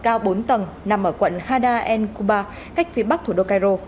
các nhà bị sập cao bốn tầng nằm ở quận hadar en kuba cách phía bắc thủ đô cairo